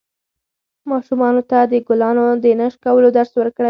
ماشومانو ته د ګلانو د نه شکولو درس ورکړئ.